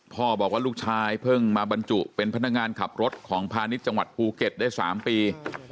บอกว่าลูกชายเพิ่งมาบรรจุเป็นพนักงานขับรถของพาณิชย์จังหวัดภูเก็ตได้๓ปี